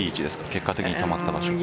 結果的に止まった場所。